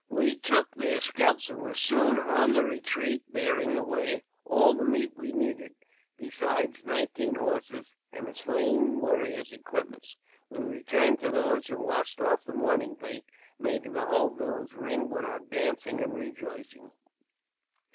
We took their scalps, and were soon on the retreat, bearing away all the meat we needed, besides nineteen •lorses, and the slain warriors' equipments. We returned to bhe village, and washed off the mourning paint, making the vhole village ring with our dancing and rejoicing.